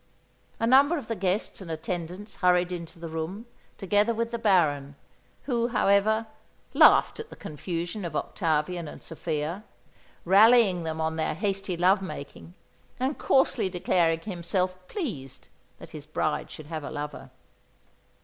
A number of the guests and attendants hurried into the room, together with the Baron, who, however, laughed at the confusion of Octavian and Sophia, rallying them on their hasty love making and coarsely declaring himself pleased that his bride should have a lover.